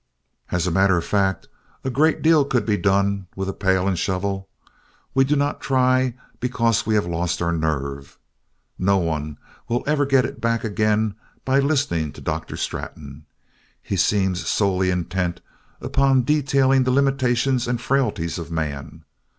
As a matter of fact, a great deal could be done with a pail and shovel. We do not try because we have lost our nerve. Nobody will ever get it back again by listening to Dr. Straton. He seems solely intent upon detailing the limitations and the frailties of man.